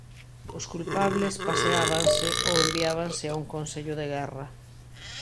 Os culpables paseábanse ou enviábanse a un Consello de Guerra.